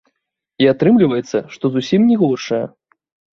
І атрымліваецца, што зусім не горшая.